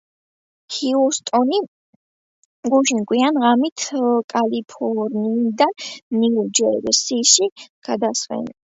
ჰიუსტონი გუშინ გვიან ღამით კალიფორნიიდან ნიუ ჯერსიში გადაასვენეს.